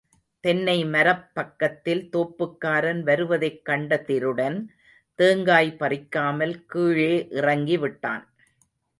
தென்னைமரப் பக்கத்தில் தோப்புக்காரன் வருவதைக் கண்ட திருடன் தேங்காய் பறிக்காமல் கீழே இறங்கி விட்டான்.